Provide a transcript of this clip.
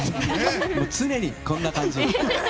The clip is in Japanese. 常にこんな感じ。